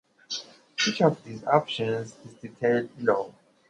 Each of these options is detailed below.